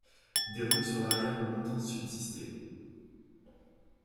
Des ruines sur l’arrière ont longtemps subsisté.